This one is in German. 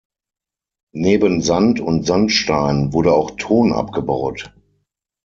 Neben Sand und Sandstein wurde auch Ton abgebaut.